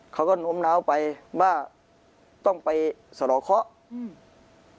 เขาก็โน้มน้าวไปว่าต้องไปสลอเคาะอืม